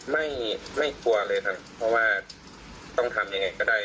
ไม่ไม่กลัวเลยครับเพราะว่าต้องทำยังไงก็ได้